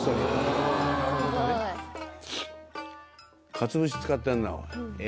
「かつお節使ってんなおい。